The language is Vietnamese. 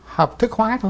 học thức hóa